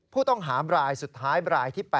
ผู้ต้องหารายสุดท้ายรายที่๘